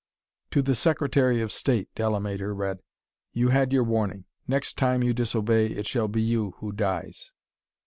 "To the Secretary of State," Delamater read. "You had your warning. Next time you disobey it shall be you who dies."